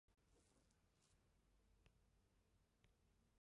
勃艮第的马丽的祈祷书插图被认为是出自他之手。